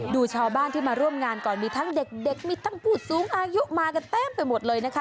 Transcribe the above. ดูชาวบ้านที่มาร่วมงานก่อนมีทั้งเด็กมีทั้งผู้สูงอายุมากันเต็มไปหมดเลยนะคะ